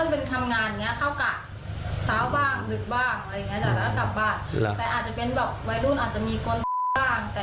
เพราะว่าหนูจะอยู่อีกหลัง